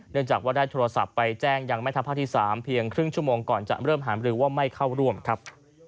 จากว่าได้โทรศัพท์ไปแจ้งยังแม่ทัพภาคที่๓เพียงครึ่งชั่วโมงก่อนจะเริ่มหามรือว่าไม่เข้าร่วมครับ